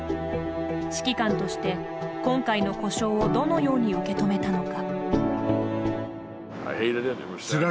指揮官として今回の故障をどのように受け止めたのか。